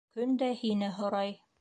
Көн дә һине һорай.